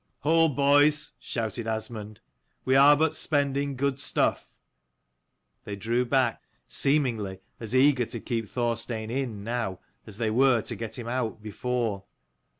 " Hold, boys," shouted Asmund, " we are but spending good stuff." They drew back, seemingly as eager to keep Thorstein in, now, as they were to get him out before.